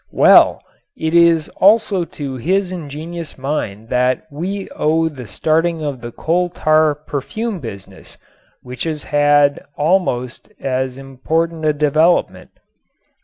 Well, it is also to his ingenious mind that we owe the starting of the coal tar perfume business which has had almost as important a development.